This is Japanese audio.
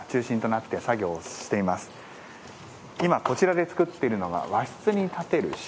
今こちらで作っているのが和室に立てる仕切りです。